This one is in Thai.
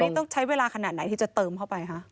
นี่ต้องใช้เวลาขนาดไหนที่จะเติมเข้าไปคะ